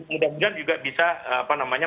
mudah mudahan juga bisa apa namanya